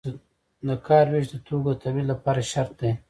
د کار ویش د توکو د تولید لپاره شرط دی.